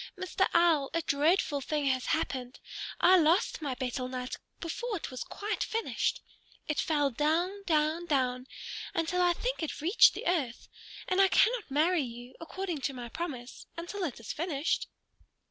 Mr. Owl, a dreadful thing has happened. I lost my betel nut, before it was quite finished. It fell down, down, down, until I think it reached the earth. And I cannot marry you, according to my promise, until it is finished."